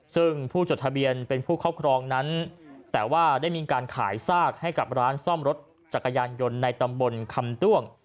ซึ่งผู้จดทะเบียนเป็นผู้ครอบครองนั้นแต่ว่าได้มีการขายซากให้กับร้านซ่อมรถจักรยานยนต์ในตำบลคำด้วง